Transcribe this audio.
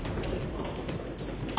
ああ！